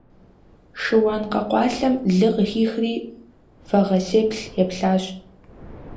Шыуан къэкъуалъэм лы къыхихри, вагъэсеплъ еплъащ.